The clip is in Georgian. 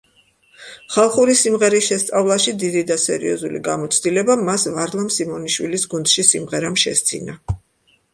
ხალხური სიმღერის შესწავლაში დიდი და სერიოზული გამოცდილება მას ვარლამ სიმონიშვილის გუნდში სიმღერამ შესძინა.